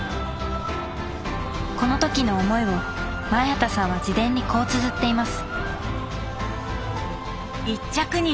この時の思いを前畑さんは自伝にこうつづっています